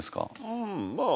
うんまあ